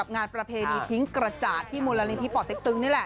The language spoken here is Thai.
งานประเพณีทิ้งกระจาดที่มูลนิธิป่อเต็กตึงนี่แหละ